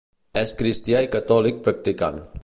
És cristià i catòlic practicant.